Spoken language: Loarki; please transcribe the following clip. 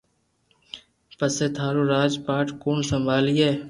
پسو ٿارو راج پاٺ ڪوڻ سمڀالئي